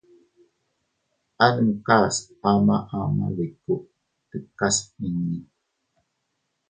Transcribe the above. A numkas ama ama bikku tikas iinni.